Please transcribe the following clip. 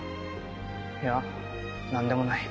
いや何でもない。